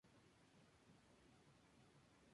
Se encuentra en la ciudad de Batna.